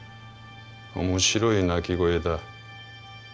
面白い鳴き声だ。